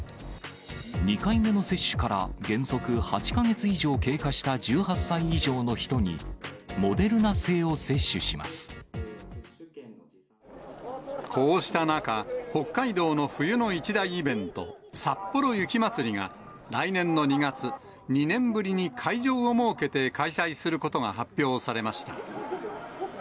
２回目の接種から原則８か月以上経過した１８歳以上の人に、こうした中、北海道の冬の一大イベント、さっぽろ雪まつりが来年の２月、２年ぶりに会場を設けて開催することが発表されました。